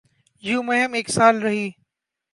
یوں مہم ایک سال رہی۔